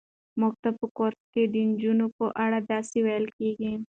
موږ ته په کورس کې د نجونو په اړه داسې ویل کېږي.